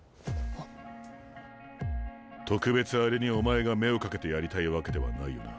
特別あれにお前が目をかけてやりたいわけではないよな？